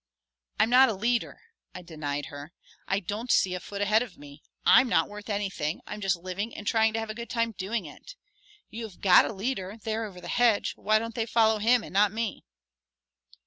"I'm not a leader," I denied her. "I don't see a foot ahead of me. I'm not worth anything. I'm just living and trying to have a good time doing it. You have got a leader, there over the hedge; why don't they follow him and not me?"